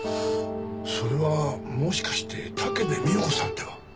それはもしかして武部美代子さんでは？